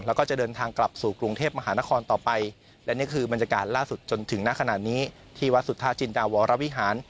แล้วก็จะเดินทางกลับสู่กรุงเทพมหานครต่อไปและนี่คือบรรยากาศล่าสุดจนถึงณขณะนี้ที่วัดสุธาจินดาวรวิหาร